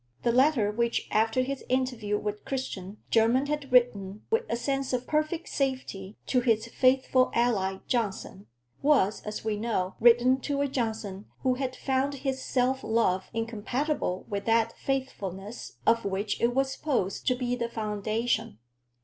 The letter which, after his interview with Christian, Jermyn had written with a sense of perfect safety to his faithful ally Johnson, was, as we know, written to a Johnson who had found his self love incompatible with that faithfulness of which it was supposed to be the foundation.